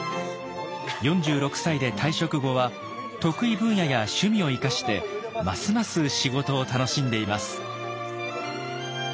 ４６歳で退職後は得意分野や趣味を生かしてますます仕事を楽しんでいます。